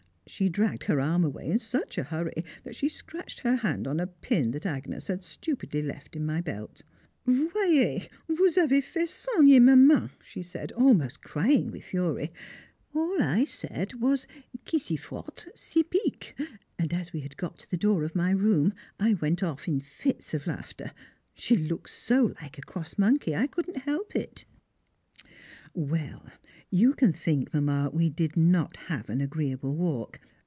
She dragged her arm away in such a hurry that she scratched her hand on a pin that Agnès had stupidly left in my belt. "Voyez! vous avez fait saigner ma main," she said almost crying with fury. All I said was, "Qui s'y frotte s'y pique," and as we had got to the door of my room, I went off in fits of laughter she looked so like a cross monkey I could not help it! [Sidenote: Girlish Amenities] Well, you can think, Mamma, we did not have an agreeable walk.